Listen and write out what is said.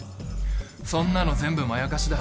そんなの全部まやかしだ。